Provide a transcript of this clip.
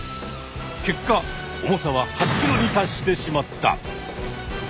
結果重さは８ｋｇに達してしまった。